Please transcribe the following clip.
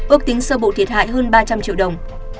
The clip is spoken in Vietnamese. ước tính sơ bộ thiệt hại hơn ba trăm linh triệu đồng